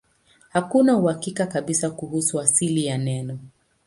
Hakuna uhakika kabisa kuhusu asili ya neno.